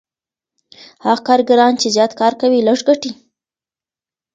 هغه کارګران چي زیات کار کوي لږ ګټي.